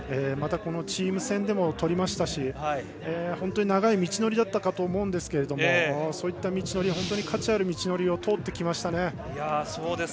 このチーム戦でもとりましたし長い道のりだったかと思うんですけどそういった道のり価値ある道のりを通ってきました。